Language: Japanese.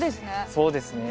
そうですね。